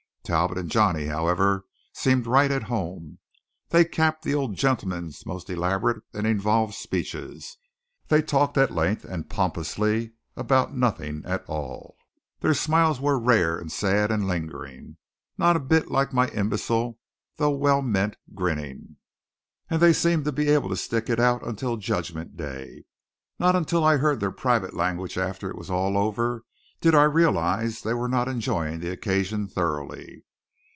Talbot and Johnny, however, seemed right at home. They capped the old gentleman's most elaborate and involved speeches, they talked at length and pompously about nothing at all; their smiles were rare and sad and lingering not a bit like my imbecile though well meant grinning and they seemed to be able to stick it out until judgment day. Not until I heard their private language after it was all over did I realize they were not enjoying the occasion thoroughly.